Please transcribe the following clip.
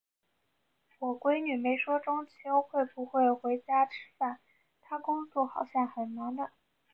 我闺女没说中秋会不会回家吃饭，她工作好像很忙呢。